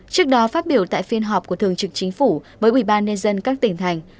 trước đó phát biểu tại phiên họp của thường trực chính phủ với ubnd các tỉnh thành